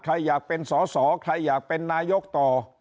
ใครอยากเป็นสอสอใครอยากเป็นนายกต่อ